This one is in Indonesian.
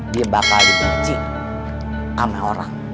dia bakal dibenci sama orang